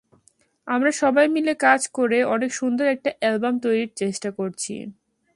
আমরা সবাই মিলে কাজ করে অনেক সুন্দর একটা অ্যালবাম তৈরির চেষ্টা করেছি।